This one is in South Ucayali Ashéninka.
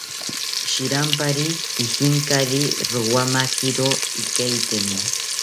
Shirampari kijinkari, rowamakiro ikateini